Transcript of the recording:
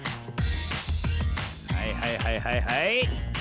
はいはいはいはいはい。